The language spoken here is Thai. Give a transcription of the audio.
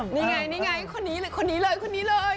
นี่ไงนี่ไงคนนี้เลยคนนี้เลยคนนี้เลย